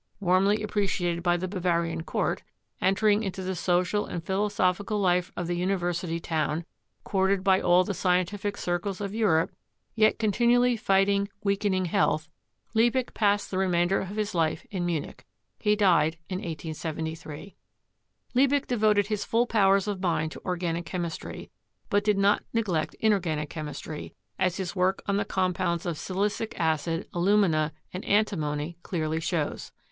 Warmly appreciated by the Bavarian court, entering into the social and philosophical life of the university town, courted by all the scientific circles of Europe, yet continually fighting weakening health, Liebig passed the remainder of his life in Munich. He died in 1873. Liebig devoted his full powers of mind to organic chemistry, but did not neglect inorganic chemistry, as his work on the compounds of silicic acid, alumina and antimony clearly shows.